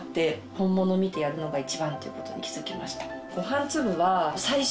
本物見てやるのが一番っていうことに気付きました。